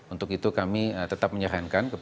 untuk itu kami tetap menyarankan